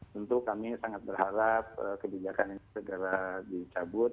tentu kami sangat berharap kebijakan ini segera dicabut